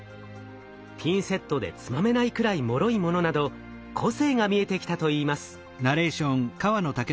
ピンセットでつまめないくらいもろいものなど個性が見えてきたといいます。